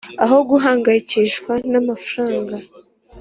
Aho guhangayikishwa n amafaranga